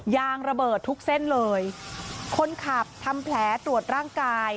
ยางระเบิดทุกเส้นเลยคนขับทำแผลตรวจร่างกาย